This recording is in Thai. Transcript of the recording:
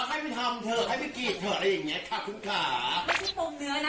ก็อย่ายกตาตรงนี้ถือหั่นคือพวกเมี้ย